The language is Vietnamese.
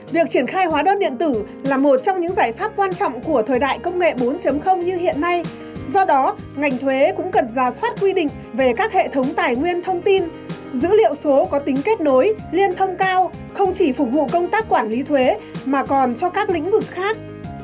việc triển khai hóa đơn điện tử là một trong những giải pháp quan trọng của thời đại công nghệ bốn như hiện nay do đó ngành thuế cũng cần ra soát quy định về các hệ thống tài nguyên thông tin dữ liệu số có tính kết nối liên thông cao không chỉ phục vụ công tác quản lý thuế mà còn cho các lĩnh vực khác